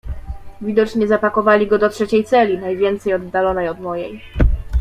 "Widocznie zapakowali go do trzeciej celi, najwięcej oddalonej od mojej."